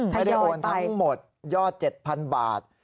ไม่ได้โอนทั้งหมดยอด๗๐๐บาท